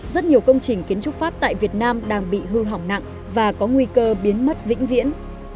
rất nhiều công trình kiến trúc pháp tại việt nam đang bị hư hỏng nặng và có nguy cơ biến mất vĩnh viễn